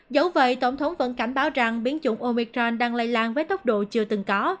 dẫu vậy tổng thống vẫn cảnh báo rằng biến chủng omicron đang lây lan với tốc độ chưa từng có